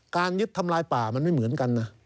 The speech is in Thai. การยึดทำลายป่ามันไม่เหมือนกันนะ